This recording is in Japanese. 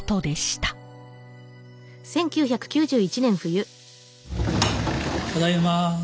ただいま。